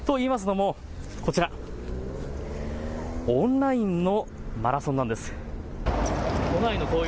というのもこちらオンラインのマラソンなんです。